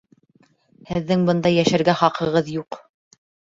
Һеҙҙең бында йәшәргә хаҡығыҙ юҡ!